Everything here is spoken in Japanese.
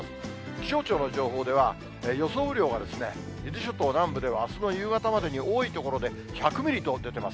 気象庁の情報では、予想雨量が伊豆諸島南部ではあすの夕方までに多い所で１００ミリと出てます。